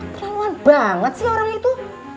kamu kenal banget sih orang itu